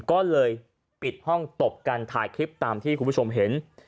ก็เลยปิดห้องตบกันถ่ายคลิปตามที่คุณผู้ชมเห็น